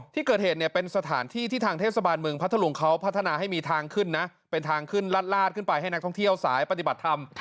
ที่เกิดเหตุเนี่ยเป็นสถานที่ที่ทางเทศบาลเมืองพัทธรุงเขาพัฒนาให้มีทางขึ้นนะเป็นทางขึ้นลาดขึ้นไปให้นักท่องเที่ยวสายปฏิบัติธรรม